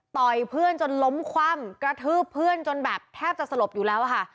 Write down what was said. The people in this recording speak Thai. เพื่อนจนล้มคว่ำกระทืบเพื่อนจนแบบแทบจะสลบอยู่แล้วค่ะ